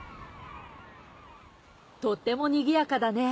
とっても賑やかだね。